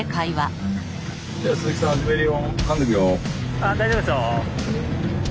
あっ大丈夫ですよ。